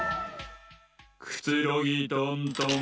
くつろぎトントン。